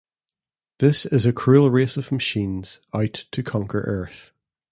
The is a cruel race of machines out to conquer Earth.